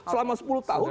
selama sepuluh tahun